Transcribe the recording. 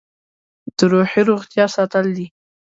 د روحي روغتیا ساتل دي.